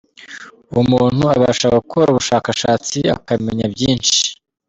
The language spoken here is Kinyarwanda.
Ubu umuntu abasha gukora ubushakashatsi akamenya byinshi.